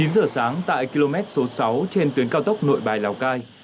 chín giờ sáng tại km số sáu trên tuyến cao tốc nội bài lào cai